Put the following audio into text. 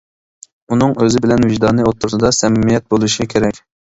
ئۇنىڭ ئۆزى بىلەن ۋىجدانى ئوتتۇرىسىدا سەمىمىيەت بولۇشى كېرەك.